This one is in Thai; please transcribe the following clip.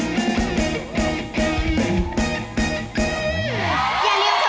รับบุกลง